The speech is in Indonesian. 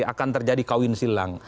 akan terjadi kawin silang